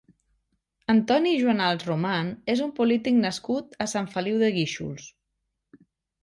Antoni Juanals Roman és un polític nascut a Sant Feliu de Guíxols.